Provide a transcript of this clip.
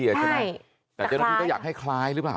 แต่เจ้าหน้าที่ก็อยากให้คล้ายหรือเปล่า